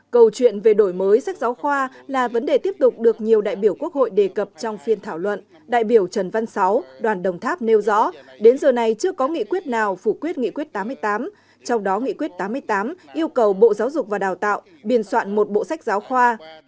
câu chuyện về đổi mới sách giáo khoa là vấn đề tiếp tục được nhiều đại biểu quốc hội đề cập trong phiên thảo luận đại biểu trần văn sáu đoàn đồng tháp nêu rõ đến giờ này chưa có nghị quyết nào phủ quyết nghị quyết tám mươi tám trong đó nghị quyết tám mươi tám yêu cầu bộ giáo dục và đào tạo biên soạn một bộ sách giáo khoa